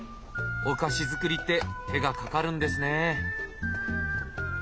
お菓子作りって手がかかるんですねぇ。